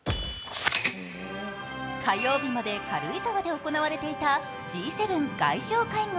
火曜日まで軽井沢で行われていたＧ７外相会合。